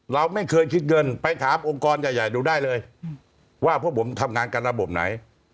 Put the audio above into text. เราไม่เคยคิดเงินไปถามองค์กรใหญ่ดูได้เลยว่าพวกผมทำงานกันระบบไหน